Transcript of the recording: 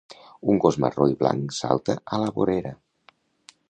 un gos marró i blanc salta a la vorera.